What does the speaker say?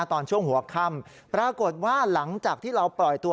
ตอนช่วงหัวค่ำปรากฏว่าหลังจากที่เราปล่อยตัว